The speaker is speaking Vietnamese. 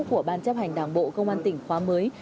của ban chấp hành đảng bộ công an tỉnh khóa mới